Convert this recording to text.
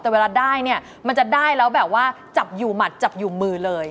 แต่เวลาได้เนี่ยมันจะได้แล้วแบบว่าจับอยู่หมัดจับอยู่มือเลย